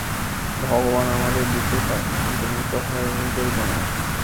ভগবান আমাদের দিতেই পারেন, কিন্তু নিতে যে হয় নিজের গুণে।